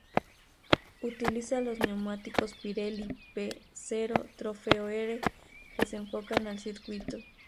Utiliza los neumáticos Pirelli P Zero Trofeo R que se enfocan al circuito.